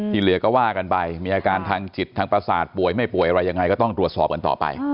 เหลือก็ว่ากันไปมีอาการทางจิตทางประสาทป่วยไม่ป่วยอะไรยังไงก็ต้องตรวจสอบกันต่อไป